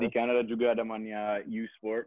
di kanada juga ada u sport